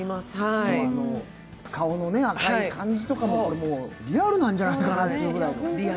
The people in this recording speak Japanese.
顔の赤い感じとかもリアルなんじゃないかなというぐらい。